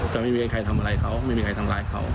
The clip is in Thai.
ไม่มีใครทำอะไรเขาไม่มีใครทำร้ายเขา